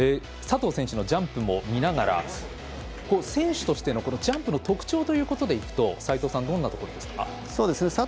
佐藤選手のジャンプも見ながら選手としてのジャンプの特徴ということでいくと齋藤さん、どんなところですか？